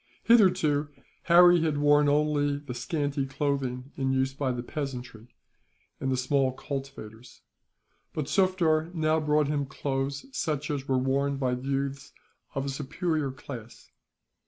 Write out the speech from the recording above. Hitherto, Harry had worn only the scanty clothing in use by the peasantry, and the small cultivators; but Sufder now bought him clothes such as were worn by youths of a superior class.